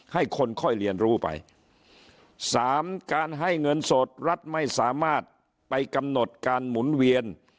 ให้คนค่อยเรียนรู้ไปสามการให้เงินสดรัฐไม่สามารถไปกำหนดการหมุนเวียน